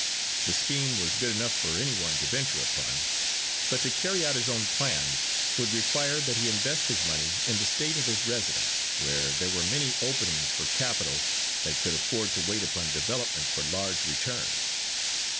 The scheme was good enough for any one to venture upon. But to carry out his own plans, would require that he invest his money in the State of his residence, where there were many openings for capital that could afford to wait upon development for large returns.